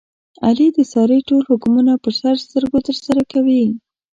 علي د سارې ټول حکمونه په سر سترګو ترسره کوي.